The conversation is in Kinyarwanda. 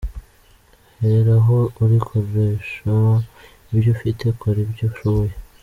Hera aho uri, Koresha ibyo ufite, Kora ibyo ushoboye.